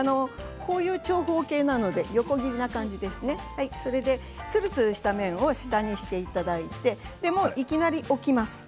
こういう横の長方形なのでつるつるした面を下にしていただいていきなり置きます。